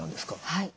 はい。